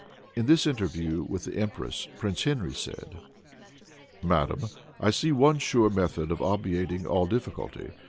In this interview with the empress, Prince Henry said, "Madam, I see one sure method of obviating all difficulty.